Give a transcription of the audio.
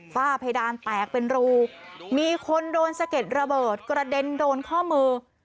ฝ้าเพดานแตกเป็นรูมีคนโดนสะเก็ดระเบิดกระเด็นโดนข้อมือ